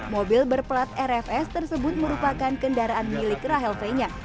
mobil berplat rfs tersebut merupakan kendaraan milik rahel fenya